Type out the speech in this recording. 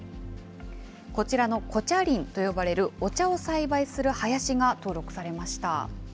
こちらの古茶林と呼ばれるお茶を栽培する林が登録されました。